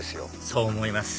そう思います